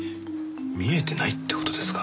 見えてないって事ですか？